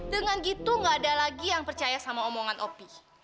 dengan gitu gak ada lagi yang percaya sama omongan opi